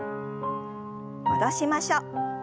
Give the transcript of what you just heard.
戻しましょう。